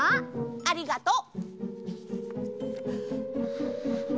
ありがとう！